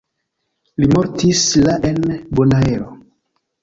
Li mortis la en Bonaero.